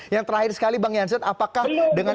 yang terakhir sekali bang jansen apakah dengan